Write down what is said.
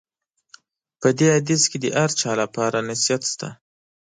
په دې حدیث کې د هر چا لپاره نصیحت شته.